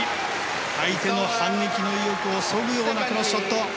相手の反撃の意欲をそぐようなクロスショット。